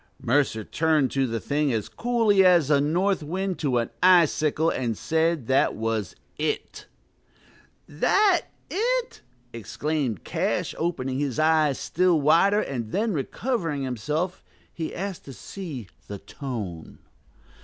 Mercer turned to the thing as coolly as a north wind to an icicle, and said, that was it. "That it!" exclaimed Cash, opening his eyes still wider; and then, recovering himself, he asked to see "the tone."